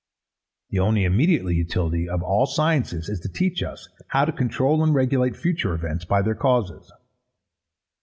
The only immediate utility of all sciences, is to teach us, how to control and regulate future events by their causes.